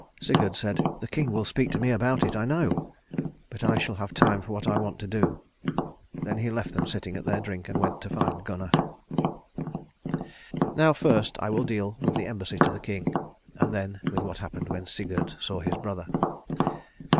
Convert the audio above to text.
Sigurd said, "The king will speak to me about it, I know. But I shall have time for what I want to do." Then he left them sitting at their drink, and went to find Gunnar. Now first I will deal with the embassy to the king, and then with what happened when Sigurd saw his brother.